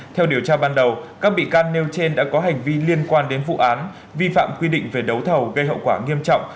theo điều tra ban đầu các bị can nêu trên đã có hành vi liên quan đến vụ án vi phạm quy định về đấu thầu gây hậu quả nghiêm trọng